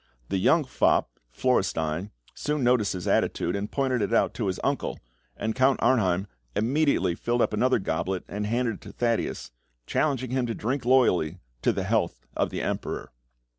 The young fop, Florestein, soon noticed his attitude, and pointed it out to his uncle, and Count Arnheim immediately filled up another goblet and handed it to Thaddeus, challenging him to drink loyally to the health of the Emperor.